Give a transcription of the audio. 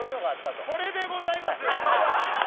これでございます！